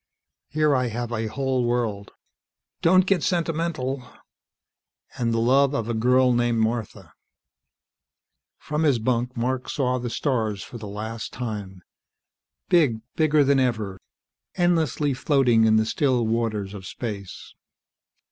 "Here I have a whole world " "Don't get sentimental " "And the love of a girl named Martha." From his bunk Mark saw the stars for the last time. Big, bigger than ever, endlessly floating in the still waters of space.